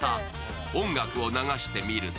音楽を流してみると